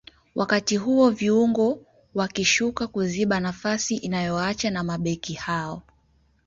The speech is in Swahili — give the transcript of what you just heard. wakati huo viungo wakishuka kuziba nafasi inayoacha na mabeki hao